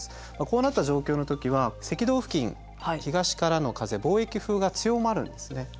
こうなった状況の時は赤道付近東からの風貿易風が強まるんですね。